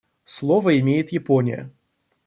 Слово имеет Япония.